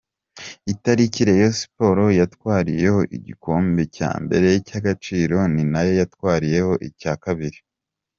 Itariki Rayon Sports yatwariyeho igikombe cya mbere cy’Agaciro ni nayo yatwariyeho icya kabiri.